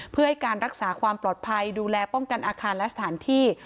เพื่อให้การรักษาความปลอดภัยดูแลป้องกันอาคารและสถานที่